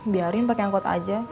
biarin pakai angkot aja